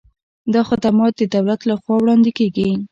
دا خدمات د دولت له خوا وړاندې کیږي.